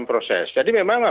proses jadi memang